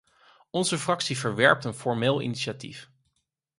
Onze fractie verwerpt een formeel initiatief.